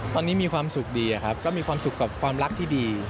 ตอนนี้มีความสุขดีครับก็มีความสุขกับความรักที่ดี